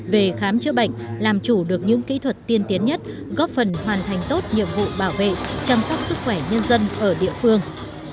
về khám chữa bệnh làm chủ được những kỹ thuật tiên tiến nhất góp phần hoàn thành tốt nhiệm vụ bảo vệ chăm sóc sức khỏe nhân dân ở địa phương